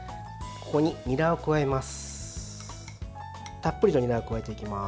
ここに、にらを加えます。